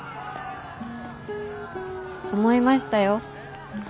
思いましたよ。